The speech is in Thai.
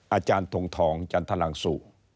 อาจารย์ทงทองจันทรังสุ